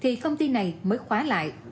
thì công ty này mới khóa lại